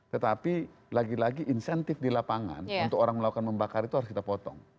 tetapi lagi lagi insentif di lapangan untuk orang melakukan membakar itu harus kita potong